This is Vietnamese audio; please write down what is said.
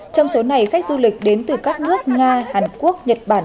trong số này khách du lịch đến từ các nước nga hàn quốc nhật bản